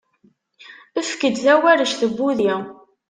Efk-d tawarect n wudi.